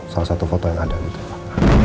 salah satu foto yang ada gitu ya pak